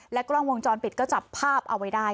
กล้องวงจรปิดก็จับภาพเอาไว้ได้